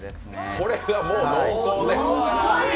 これがもう濃厚で。